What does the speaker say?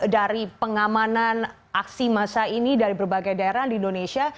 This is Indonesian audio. dari pengamanan aksi masa ini dari berbagai daerah di indonesia